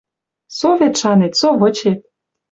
Со вет шанет, со вычет.